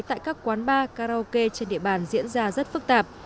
tại các quán bar karaoke trên địa bàn diễn ra rất phức tạp